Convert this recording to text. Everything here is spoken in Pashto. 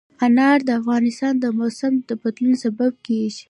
انار د افغانستان د موسم د بدلون سبب کېږي.